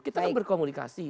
kita kan berkomunikasi